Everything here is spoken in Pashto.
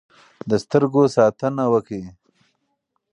د سترګو ساتنه وکړئ.